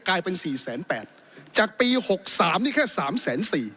กลายเป็นแสนแปดจากปี๖๓นี่แค่๓แสน๔